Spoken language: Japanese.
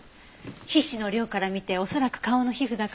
皮脂の量から見て恐らく顔の皮膚だから。